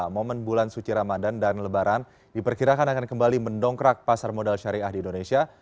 momen bulan suci ramadan dan lebaran diperkirakan akan kembali mendongkrak pasar modal syariah di indonesia